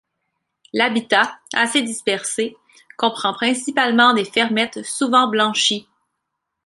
L'habitat, assez dispersé, comprend principalement des fermettes souvent blanchies.